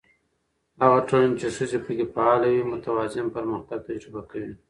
هغه ټولنه چې ښځې پکې فعاله وي، متوازن پرمختګ تجربه کوي.